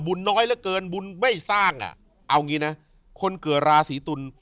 น้อยเหลือเกินบุญไม่สร้างอ่ะเอางี้นะคนเกิดราศีตุล